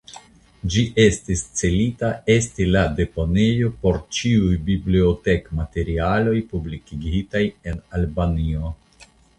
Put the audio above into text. Ĝi estas celita esti la deponejo por ĉiuj bibliotekmaterialoj publikigitaj en Albanio.